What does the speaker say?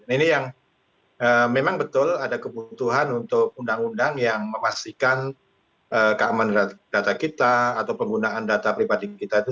ini yang memang betul ada kebutuhan untuk undang undang yang memastikan keamanan data kita atau penggunaan data pribadi kita itu